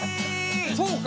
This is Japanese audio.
そうか！